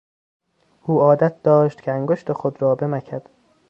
او عادت داشت که انگشت خود را بمکد.